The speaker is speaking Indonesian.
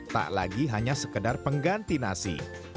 tak lagi hanya sekedar pengganti nasi